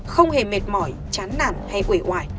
không hề mệt mỏi chán nản hay quể quại